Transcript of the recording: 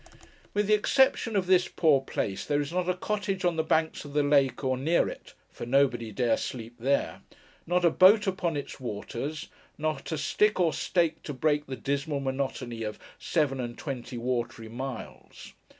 With the exception of this poor place, there is not a cottage on the banks of the lake, or near it (for nobody dare sleep there); not a boat upon its waters; not a stick or stake to break the dismal monotony of seven and twenty watery miles.